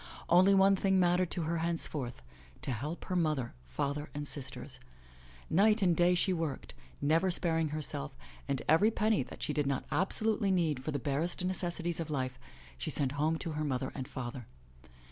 Only one thing mattered to her henceforth, to help her mother, father and sisters. Night and day she worked, never sparing herself, and every penny that she did not absolutely need for the barest necessities of life, she sent home to her mother and father.